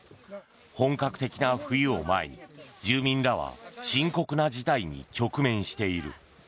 本格的な冬を前に、住民らは深刻な事態に直面している。